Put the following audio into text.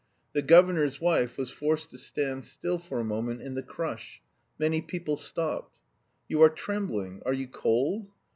The governor's wife was forced to stand still for a moment in the crush; many people stopped. "You are trembling. Are you cold?"